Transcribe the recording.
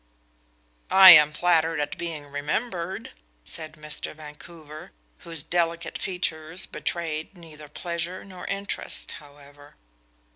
"I am flattered at being remembered," said Mr. Vancouver, whose delicate features betrayed neither pleasure nor interest, however.